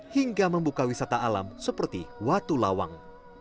hingga membuka wisata alam seperti watu lawang